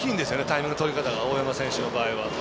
タイミングの取り方が大山選手の場合は。